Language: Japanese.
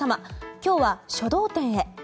今日は書道展へ。